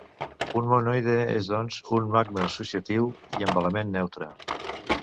Un monoide és doncs, un magma associatiu i amb element neutre.